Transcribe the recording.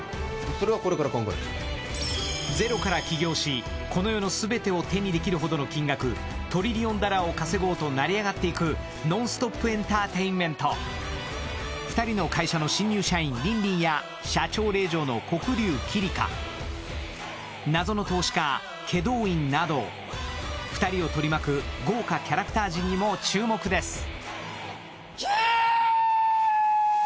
それはこれから考えるゼロから起業しこの世の全てを手にできるほどの金額トリリオンダラーを稼ごうと成り上がっていくノンストップエンターテインメント２人の会社の新入社員凜々や社長令嬢の黒龍キリカ謎の投資家祁答院など２人を取り巻く豪華キャラクター陣にも注目ですキェ！